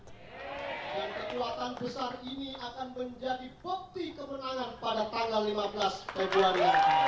dan kekuatan besar ini akan menjadi bukti kemenangan pada tanggal lima belas februari